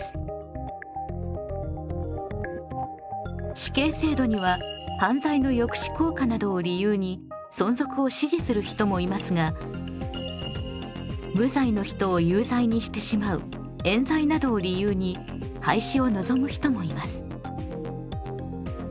死刑制度には犯罪の抑止効果などを理由に存続を支持する人もいますが無罪の人を有罪にしてしまう冤罪などを理由に廃止を望む人もいます。